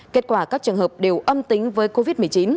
kết quả các trường hợp đều âm tính với covid một mươi chín